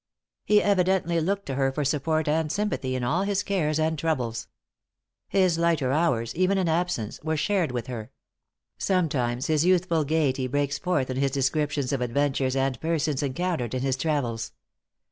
He evidently looked to her for support and sympathy in all his cares and troubles. His lighter hours, even in absence, were shared with her. Sometimes his youthful gaiety breaks forth in his descriptions of adventures and persons encountered in his travels.